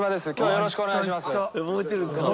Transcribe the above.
よろしくお願いします。